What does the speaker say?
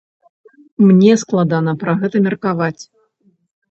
Мне складана пра гэта меркаваць.